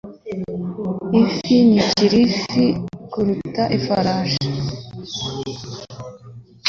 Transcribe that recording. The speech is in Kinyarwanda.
Ifi ntikiri ifi kuruta ifarashi. (Swift)